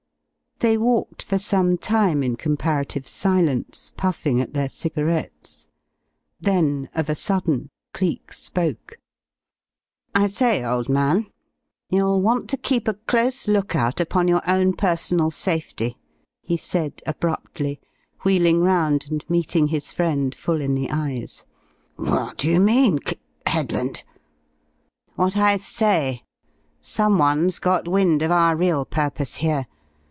They walked for some time in comparative silence, puffing at their cigarettes. Then of a sudden, Cleek spoke. "I say, old man, you'll want to keep a close look out upon your own personal safety," he said, abruptly, wheeling round and meeting his friend full in the eyes. "What d'you mean, C Headland?" "What I say. Someone's got wind of our real purpose here.